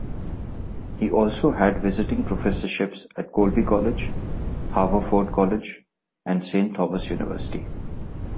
He also had visiting professorships at Colby College, Haverford College and St. Thomas University.